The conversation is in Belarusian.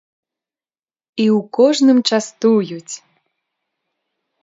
І ў кожным частуюць!!!